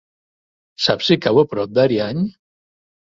Saps si cau a prop d'Ariany?